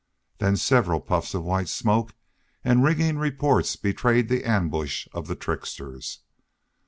Then several puffs of white smoke and ringing reports betrayed the ambush of the tricksters.